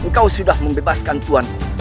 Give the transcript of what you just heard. engkau sudah membebaskan tuhan